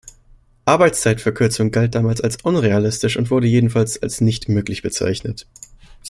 Arbeitszeitverkürzung galt damals als unrealistisch und wurde jedenfalls als nicht möglich bezeichnet.